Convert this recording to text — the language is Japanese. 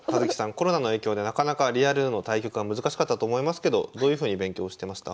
コロナの影響でなかなかリアルの対局は難しかったと思いますけどどういうふうに勉強してました？